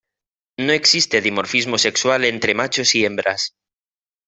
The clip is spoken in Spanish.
No existe dimorfismo sexual entre machos y hembras.